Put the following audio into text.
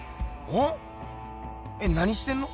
え何してんの？